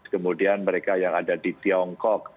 kemudian mereka yang ada di tiongkok